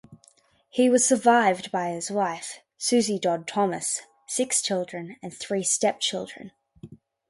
He was survived by his wife Suzie Dod Thomas, six children, and three stepchildren.